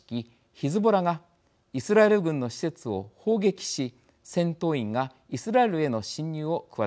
ヒズボラがイスラエル軍の施設を砲撃し戦闘員がイスラエルへの侵入を企てました。